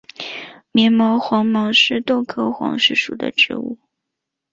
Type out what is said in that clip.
棉毛黄耆是豆科黄芪属的植物。